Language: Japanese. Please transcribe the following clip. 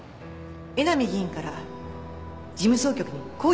江波議員から事務総局に抗議がありました。